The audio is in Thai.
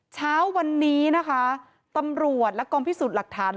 เช้าวันนี้นะคะตำรวจและกองพิสูจน์หลักฐาน